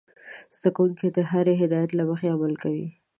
زده کوونکي د هرې هدايت له مخې عمل کاوه.